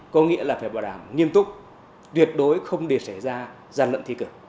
có nghĩa là phải bảo đảm nghiêm túc tuyệt đối không để xảy ra gian lận thi cử